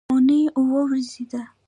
اونۍ اووه ورځې ده